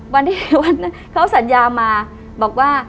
วันที่เขาสัญญามาบอกว่า